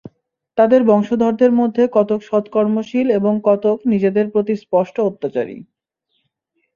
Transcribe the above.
তাদের বংশধরদের মধ্যে কতক সৎকর্মশীল এবং কতক নিজেদের প্রতি স্পষ্ট অত্যাচারী।